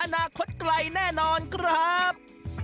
อนาคตไกลแน่นอนครับ